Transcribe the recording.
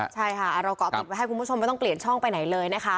ใช่ค่ะเราเกาะติดไว้ให้คุณผู้ชมไม่ต้องเปลี่ยนช่องไปไหนเลยนะคะ